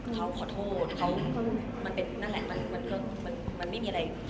เขาขอโทษเขามันเป็นนั่นแหละมันก็มันไม่มีอะไร